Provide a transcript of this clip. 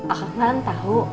aku kan tau